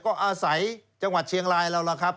ก็อาศัยจังหวัดเชียงรายแล้วล่ะครับ